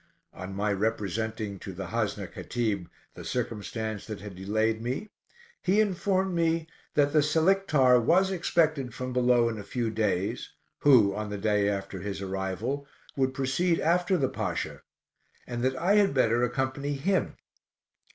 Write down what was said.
On my representing to the Hasna Katib the circumstance that had delayed me, he informed me that the Selictar was expected from below in a few days, who, on the day after his arrival, would proceed after the Pasha, and that I had better accompany him.